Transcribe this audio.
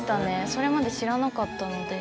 それまで知らなかったので。